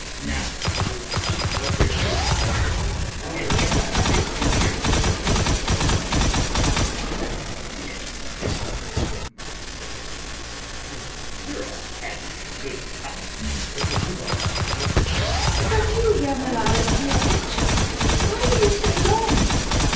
Now we'll see what there is to see and hear what there is to hear... [Kisses LOPAKHIN] You smell of cognac, my dear, my soul. And we're all having a good time. [Enter LUBOV ANDREYEVNA.] LUBOV. Is that you, Ermolai Alexeyevitch? Why were you so long?